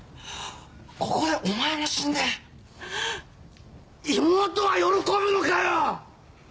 ここでお前も死んで妹は喜ぶのかよ‼